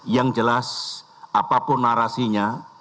yang jelas apapun narasinya